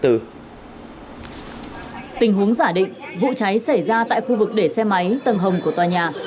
tình huống giả định vụ cháy xảy ra tại khu vực để xe máy tầng hầm của tòa nhà